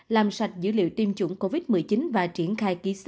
làm sạch dữ liệu tiêm chủng covid một mươi chín